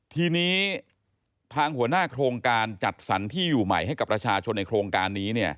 ทีนี้ทางหัวหน้าโครงการจัดสรรที่อยู่ใหม่ให้กับประชาชนในโครงการนี้